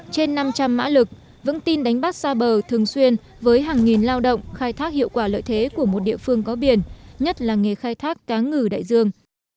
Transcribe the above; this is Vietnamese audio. trên năm trăm linh mã lực vững tin đánh bắt xa bờ thường xuyên với hàng nghìn lao động khai thác hiệu quả lợi thế của một địa phương có biển nhất là nghề khai thác cá ngừ đại dương